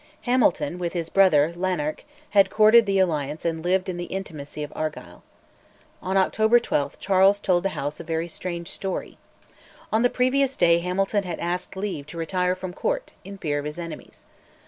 Hamilton with his brother, Lanark, had courted the alliance and lived in the intimacy of Argyll. On October 12 Charles told the House "a very strange story." On the previous day Hamilton had asked leave to retire from Court, in fear of his enemies.